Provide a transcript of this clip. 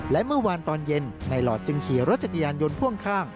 และเมื่อวานตอนเย็นในหลอดจึงขี่รถจักรยานยนต์พ่วงข้าง